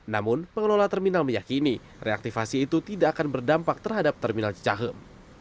namun pengelola terminal meyakini reaktivasi itu tidak akan berdampak terhadap terminal cicahem